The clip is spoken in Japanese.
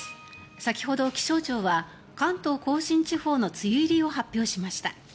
先ほど、気象庁は関東・甲信地方の梅雨入りを発表しました。